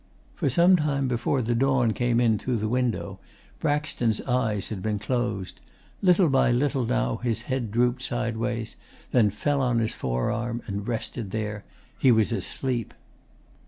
For some time before the dawn came in through the window, Braxton's eyes had been closed; little by little now his head drooped sideways, then fell on his forearm and rested there. He was asleep.